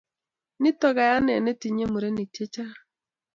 Nito kayanet netinyei murenik chechang